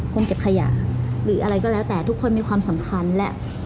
คนเก็บขยะหรืออะไรก็แล้วแต่ทุกคนมีความสำคัญและ